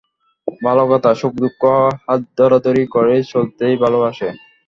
ভাল কথা! সুখ-দুঃখ হাত ধরাধরি করে চলতেই ভালবাসে।